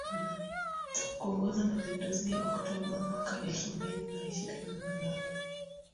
kuongoza mapinduzi ya Oktoba mwaka elfu mbili na ishirini na moja